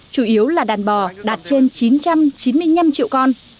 chủ yếu là đàn bò đạt trên chín trăm chín mươi năm triệu con